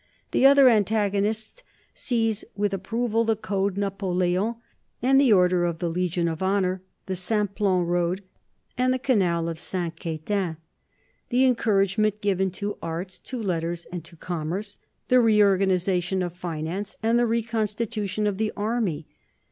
The other antagonist sees with approval the Code Napoléon and the Order of the Legion of Honor, the Simplon Road and the Canal of St. Quentin, the encouragement given to arts, to letters, and to commerce, the reorganization of finance and the reconstitution of the army.